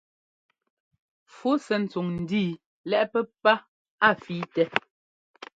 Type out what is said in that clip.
Fu sɛ́ ntsuŋ ńdíi lɛ́ꞌ pɛ́pá a fíitɛ.